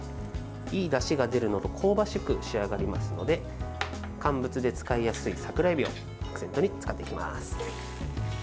いいだしが出るのと香ばしく仕上がりますので乾物で使いやすい桜エビをアクセントに使っていきます。